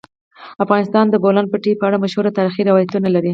افغانستان د د بولان پټي په اړه مشهور تاریخی روایتونه لري.